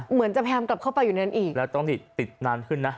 เหมือนจะพยายามกลับเข้าไปอยู่ในนั้นอีกแล้วต้องติดนานขึ้นนะ